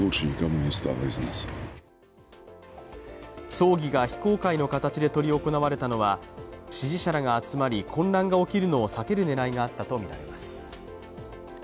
葬儀が非公開の形で執り行われたのは支持者らが集まり混乱が起きるのを避ける狙いがあったとみられます。